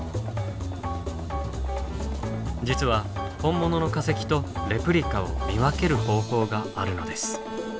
実は本物の化石とレプリカを見分ける方法があるのです。